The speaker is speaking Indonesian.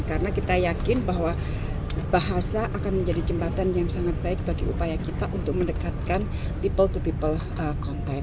karena kita yakin bahwa bahasa akan menjadi jembatan yang sangat baik bagi upaya kita untuk mendekatkan people to people contact